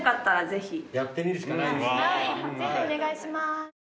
ぜひお願いします。